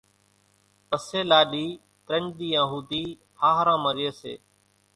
پسي لاڏِي ترڃ ۮيئان ۿوُڌِي ۿاۿران مان ريئيَ سي۔